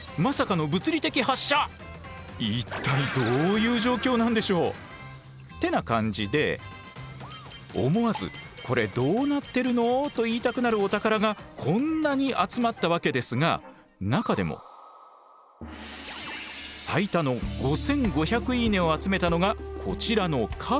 恋の場面だそうなんですが。ってな感じで思わず「コレどうなってるの？」と言いたくなるお宝がこんなに集まったわけですが中でも最多の５，５００「いいね」を集めたのがこちらの兜。